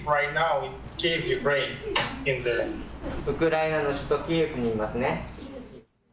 ウクライナの首都キーウにいますね。